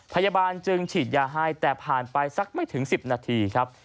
พยาบาลจึงฉีดยาให้แต่ผ่านไปสักไม่ถึง๑๐นาทีครับ